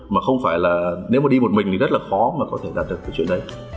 mà không phải là nếu mà đi một mình thì rất là khó mà có thể đạt được cái chuyện đấy